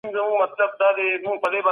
تاسي باید په ژوند کي مثبت فکر ولرئ.